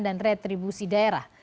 dan retribusi daerah